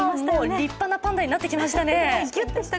立派なパンダになってきましたね。